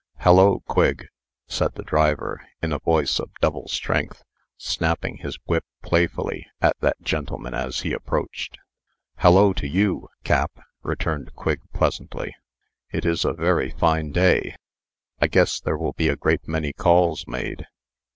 "Hallo, Quigg!" said the driver, in a voice of double strength, snapping his whip playfully at that gentleman as he approached. "Hallo to you, Cap," returned Quigg, pleasantly. "It is a very fine day. I guess there will be a great many calls made."